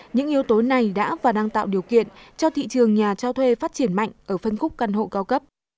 những yếu tố này đã và đang tạo điều kiện cho thị trường nhà cho thuê phát triển mạnh ở phân khúc căn hộ cao cấp